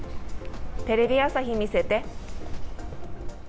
テレビ朝日、見せて。